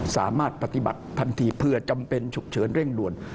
สามารถปฏิบัติทันทีเพื่อจำเป็นฉุกเฉินเร่งด่วน